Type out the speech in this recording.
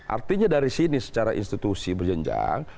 artinya dari sini secara institusi berjenjang